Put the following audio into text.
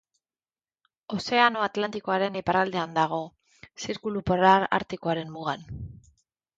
Ozeano Atlantikoaren iparraldean dago, Zirkulu Polar Artikoaren mugan.